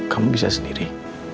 kamu bisa sendiri